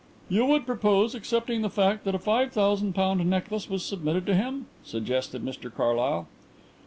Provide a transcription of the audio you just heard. "You would propose accepting the fact that a five thousand pound necklace was submitted to him?" suggested Mr Carlyle.